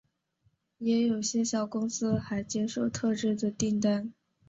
也有些小公司还接受特制的订单。